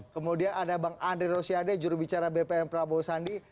kemudian ada bang andri rosiade jurubicara bpm prabowo sandi